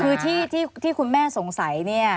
คือที่คุณแม่สงสัยเนี่ย